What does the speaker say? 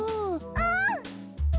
うん！